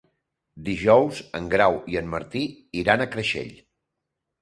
Dijous en Grau i en Martí iran a Creixell.